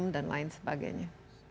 dan lain sebagainya